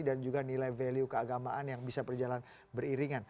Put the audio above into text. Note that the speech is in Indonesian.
dan juga nilai value keagamaan yang bisa berjalan beriringan